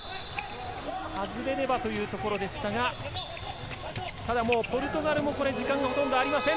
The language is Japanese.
外れればというところでしたが、ただポルトガルも時間がほとんどありません。